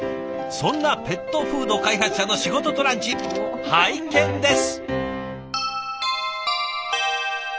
そんなペットフード開発者の仕事とランチ拝見です！